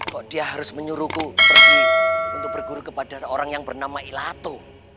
kok dia harus menyuruhku pergi untuk berguru kepada seorang yang bernama ilato